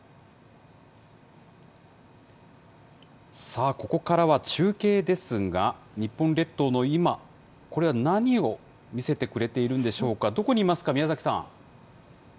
さあ、ここからは中継ですが、日本列島の今、これは何を見せてくれているんでしょうか。